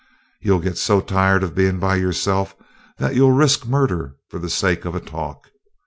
You'll get so tired of bein' by yourself that you'll risk murder for the sake of a talk.